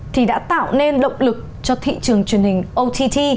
thì đã tạo nên động lực cho thị trường truyền hình ott